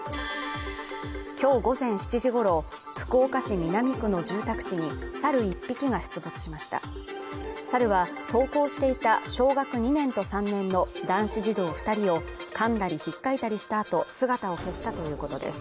今日午前７時ごろ福岡市南区の住宅地にサル１匹が出没しましたサルは登校していた小学２年と３年の男子児童二人をかんだり引っかいたりしたあと姿を消したということです